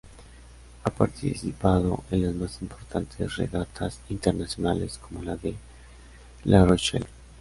Ha participado en las más importantes regatas internacionales como la de La Rochelle.